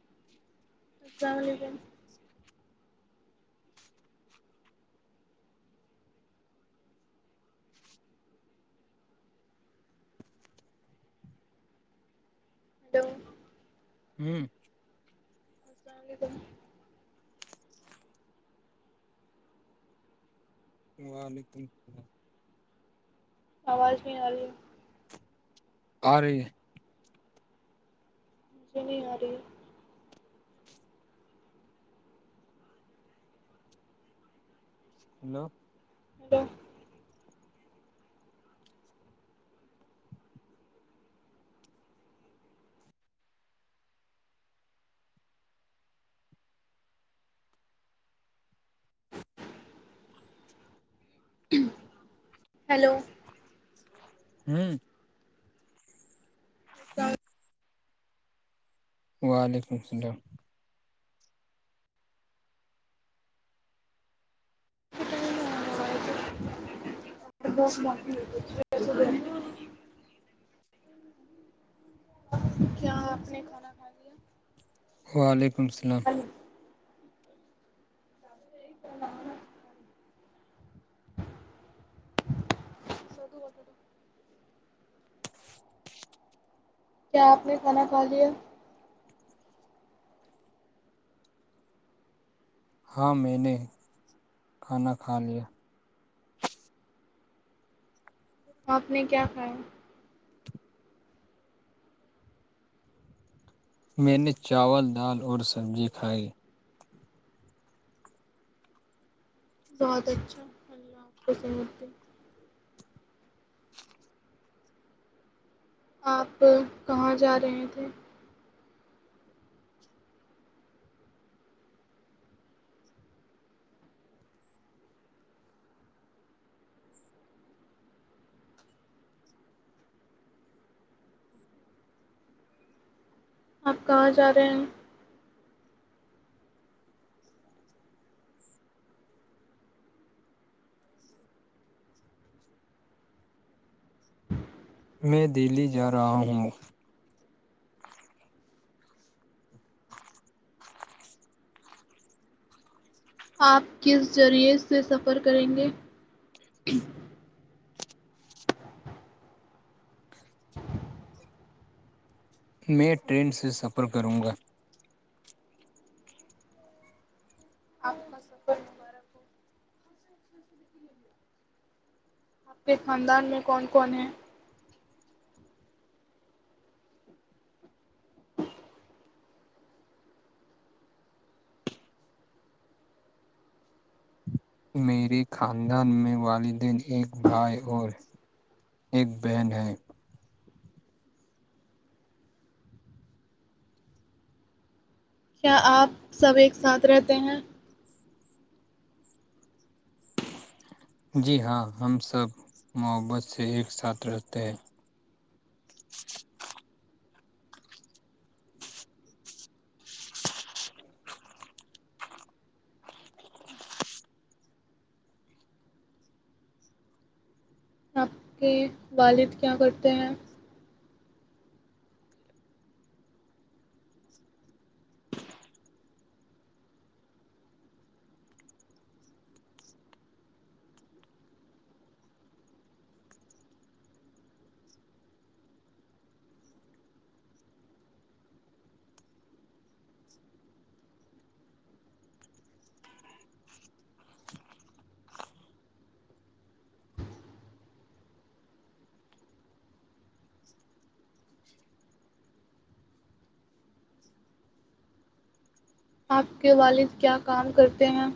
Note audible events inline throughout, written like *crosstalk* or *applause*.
*inaudible* السلام علیکم جی ہلو ہوں السلام علیکم وعلیکم السلام آواز بھی آ رہی ہے اورے شنیاری ہیلو ہاں ہیلو ہوں س *unintelligible* وعلیکم السلام ک *unintelligible* ب *unintelligible* کیا اپنے کھانا کھ وعلیکم السلام *inaudible* بٹ بٹ کیا آپ نے کھانا کھا لیا ہاں میں نے کھانا کھا لیا آپ نے کیا کھایا میں نے چاول دال اور سبزی کھائی بہت اچھا اللہ آپ کو سمجھتے آپ کہاں جا رہے تھے آپ کہاں جا رہے ہیں میں دہلی جا رہا ہوں آپ کس ذریعے سے سفر کریں گے میں ٹرین سے سفر کروں گا سفرار اپنے خاندان میں کون کون ہیں میرے خاندان میں والدین ایک بھائی اور ایک بہن ہے کیا آپ سب ایک ساتھ رہتے ہیں جی ہاں ہم سب محبت سے ایک ساتھ رہتے ہیں *inaudible* کہ والد کیا کرتے ہیں آپ کے والد کیا کام کرتے ہیں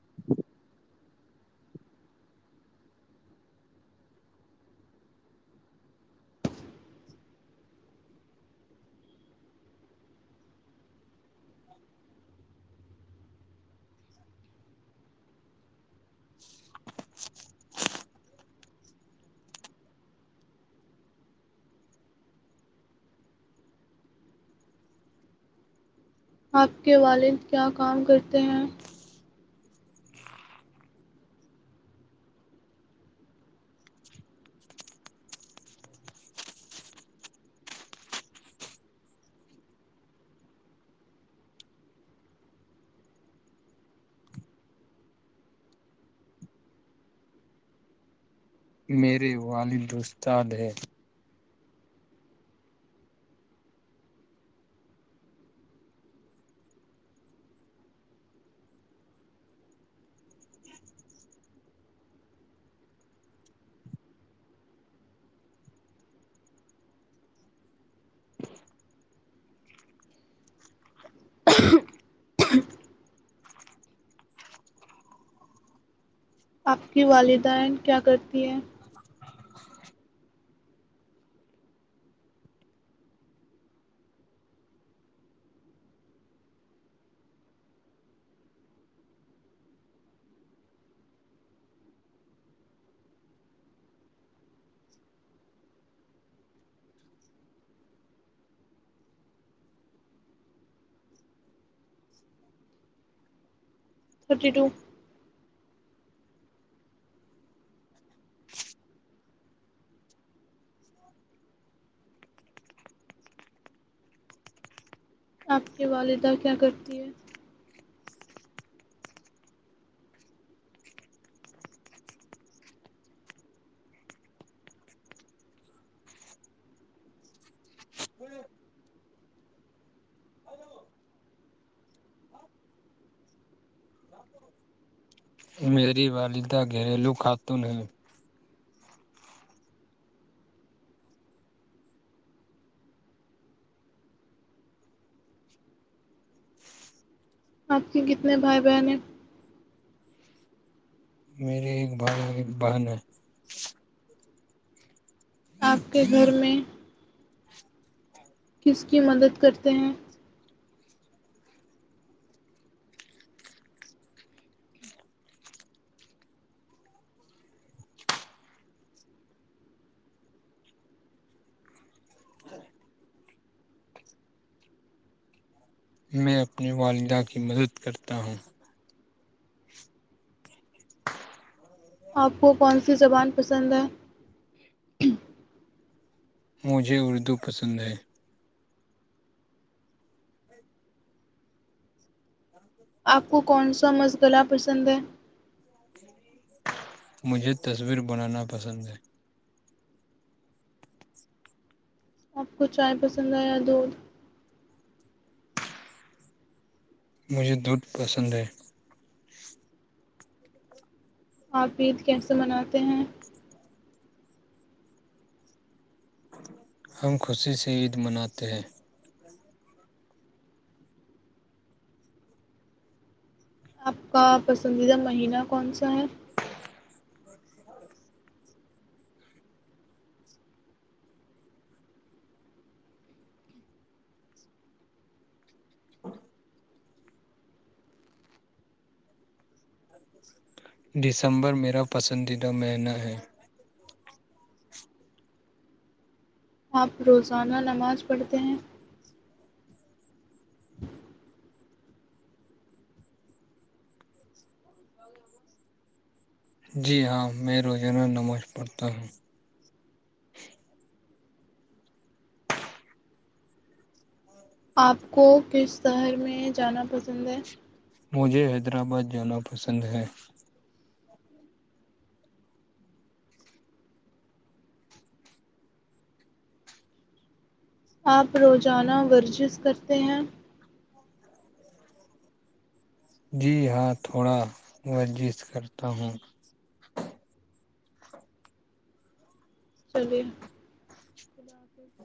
*inaudible* جی *inaudible* آپ کے والد کیا کام کرتے ہیں میرے والد استاد ہیں *inaudible* آپ کی والدین کیا کرتی ہیں تھرٹی ٹو *inaudible* آپ کی والدہ کیا کرتی ہے ہاں میری والدہ گھریلو خاتون ہیں آپ کے کتنے بھائی بہن ہیں میرے ایک بھائی ایک بہن ہے آپ کے گھر میں کس کی مدد کرتے ہیں جی میں اپنی والدہ کی مدد کرتا ہوں ہاں آپ کو کون سی زبان پسند ہے مجھے اردو پسند ہے آپ کو کون سا مس گلہ پسند ہے مجھے تصویر بنانا پسند ہے آپ کو چائے پسند ہے یا دودھ مجھے دودھ پسند ہے آپ عید کیسے مناتے ہیں ہم خوشی سے عید مناتے ہیں آپ کا پسندیدہ مہینہ کون سا ہے *inaudible* ہ *inaudible* دسمبر میرا پسندیدہ مہینہ ہے آپ روزانہ نماز پڑھتے ہیں جی ہاں میں روزانہ نماز پڑھتا ہوں اور *inaudible* آپ کو کس شہر میں جانا پسند ہے مجھے حیدرآباد جانا پسند ہے آپ روزانہ ورزش کرتے ہیں جی ہاں تھوڑا ورزش کرتا ہوں چلیے خدا حافظ